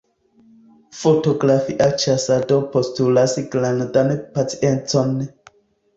Fotografia ĉasado postulas grandan paciencon.